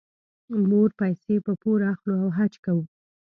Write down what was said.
موږ پیسې په پور اخلو او حج کوو.